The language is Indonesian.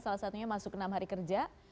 salah satunya masuk enam hari kerja